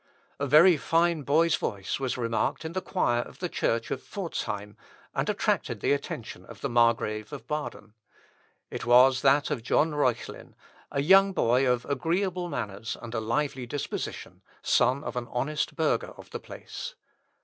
A very fine boy's voice was remarked in the choir of the church of Pforzheim, and attracted the attention of the Margrave of Baden. It was that of John Reuchlin, a young boy of agreeable manners and a lively disposition, son of an honest burgher of the place.